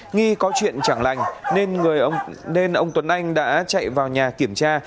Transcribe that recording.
nghi có chuyện chẳng lành nên ông tuấn anh đã chạy vào nhà kiểm tra